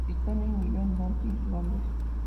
Stoney Murió en Notting Hill, Londres.